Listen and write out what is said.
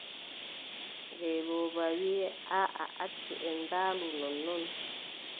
Ngeelooba wii: aaʼa accu en mbaalu nonnon.